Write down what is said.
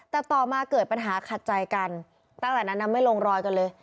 แต่ต่อมาเกิดปัญหาขัดใจกันตั้งแต่นั้นไม่ลงรอยกันเลย